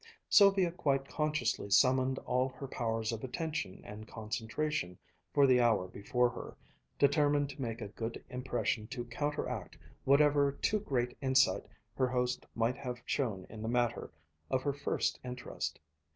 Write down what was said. Sylvia quite consciously summoned all her powers of attention and concentration for the hour before her, determined to make a good impression to counteract whatever too great insight her host might have shown in the matter of her first interest.